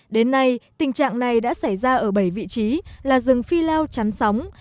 đến nay tình trạng này đã xảy ra ở bảy vị trí là rừng phi lao chắn sóng